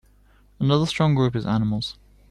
Another strong group is "Animals".